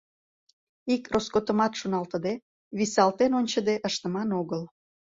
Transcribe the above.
Ик роскотымат шоналтыде, висалтен ончыде ыштыман огыл.